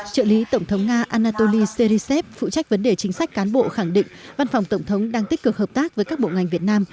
trợ lý tổng thống nga anatoly serisev phụ trách vấn đề chính sách cán bộ khẳng định văn phòng tổng thống đang tích cực hợp tác với các bộ ngành việt nam